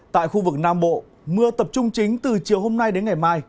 tại khu vực nam bộ mưa tập trung chính từ chiều hôm nay đến ngày mai